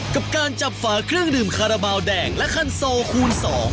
กับการจับฝาเครื่องดื่มคาราบาลแดงและคันโซคูณ๒